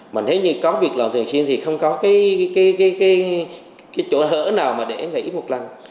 mà nếu như có việc làm thừa xuyên thì không có cái chỗ nào để nghỉ một lần